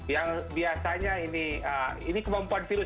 yang biasanya ini kemampuan virus